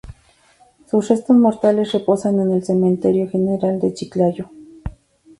Sus restos mortales reposan en el cementerio general de Chiclayo.